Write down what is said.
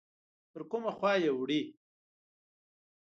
پر کومه خوا یې وړي؟